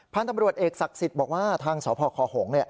พันธุ์ตำรวจเอกศักดิ์สิทธิ์บอกว่าทางสพคหงษ์